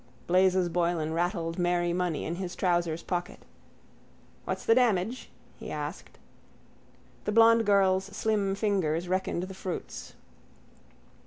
Blazes Boylan rattled merry money in his trousers' pocket. —What's the damage? he asked. The blond girl's slim fingers reckoned the fruits.